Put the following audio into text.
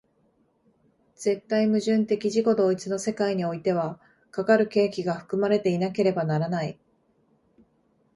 絶対矛盾的自己同一の世界においては、かかる契機が含まれていなければならない。